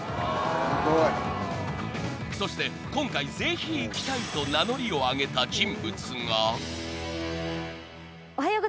［そして今回ぜひ行きたいと名乗りを上げた人物が］